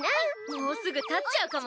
もうすぐ立っちゃうかも！